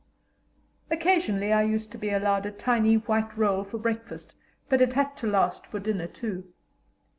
Occasionally I used to be allowed a tiny white roll for breakfast, but it had to last for dinner too.